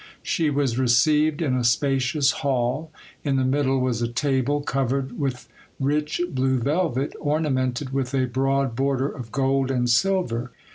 She was received in a spacious hall. In the middle was a table covered with rich blue velvet, ornamented with a broad border of gold and silver.